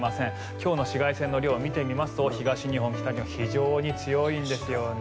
今日の紫外線の量を見てみますと東日本、北日本非常に強いんですよね。